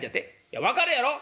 「いや分かるやろ？